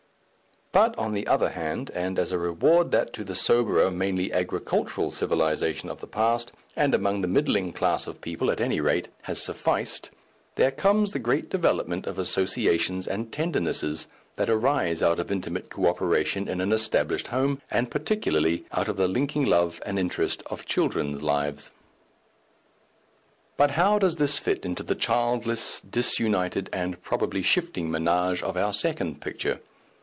But, on the other hand, and as a reward that in the soberer, mainly agricultural civilization of the past, and among the middling class of people, at any rate, has sufficed, there comes the great development of associations and tendernesses that arises out of intimate co operation in an established home, and particularly out of the linking love and interest of children's lives.... But how does this fit into the childless, disunited, and probably shifting ménage of our second picture?